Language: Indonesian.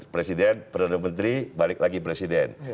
presiden perdana menteri balik lagi presiden